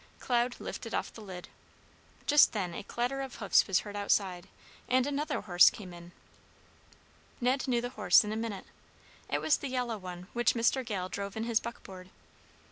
Cloud lifted off the lid. Just then a clatter of hoofs was heard outside, and another horse came in. Ned knew the horse in a minute. It was the yellow one which Mr. Gale drove in his buckboard.